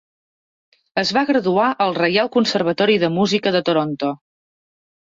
Es va graduar al Reial Conservatori de Música de Toronto.